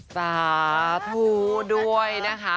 สาธุด้วยนะคะ